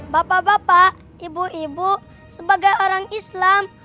bapak bapak ibu ibu sebagai orang islam